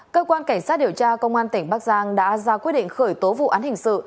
cơ quan cảnh sát điều tra công an tỉnh bắc giang đã ra quyết định khởi tố vụ án hình sự